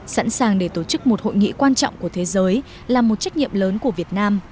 sẵn sàng để tổ chức một hội nghị quan trọng của thế giới là một trách nhiệm lớn của việt nam